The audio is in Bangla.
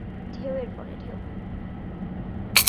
ঢেউ এর পর ঢেউ।